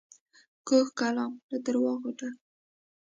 کوږ کلام له دروغو ډک وي